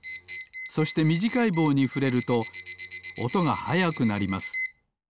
そしてみじかいぼうにふれるとおとがはやくなります。